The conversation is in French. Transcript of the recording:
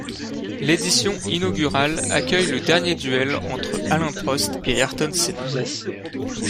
L'édition inaugurale accueille le dernier duel entre Alain Prost et Ayrton Senna.